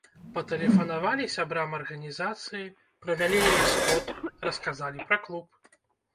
Патэлефанавалі сябрам арганізацыі, правялі яе сход, расказалі пра клуб.